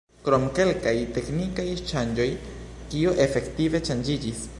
Krom kelkaj teknikaj ŝanĝoj, kio efektive ŝanĝiĝis?